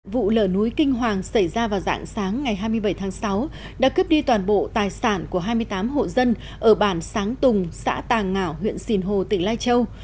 vụ lở núi kinh hoàng xảy ra vào dạng sáng ngày hai mươi bảy tháng sáu đã cướp đi toàn bộ tài sản của hai mươi tám hộ dân ở bản sáng tùng xã tà ngạo huyện sìn hồ tỉnh lai châu